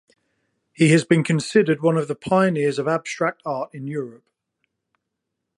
He has been considered one of the pioneers of abstract art in Europe.